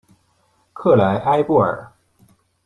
克莱埃布尔。